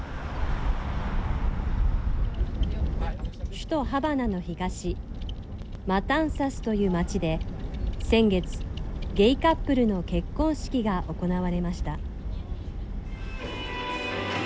首都ハバナの東マタンサスという町で先月ゲイカップルの結婚式が行われました。